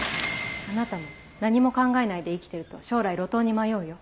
あなたも何も考えないで生きてると将来路頭に迷うよ。